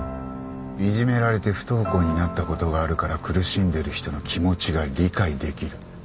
「いじめられて不登校になったことがあるから苦しんでる人の気持ちが理解できる」